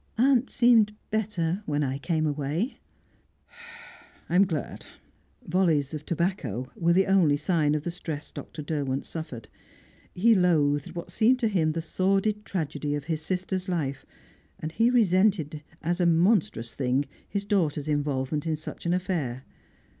"Aunt seemed better when I came away." "I'm glad." Volleys of tobacco were the only sign of the stress Dr. Derwent suffered. He loathed what seemed to him the sordid tragedy of his sister's life, and he resented as a monstrous thing his daughter's involvement in such an affair.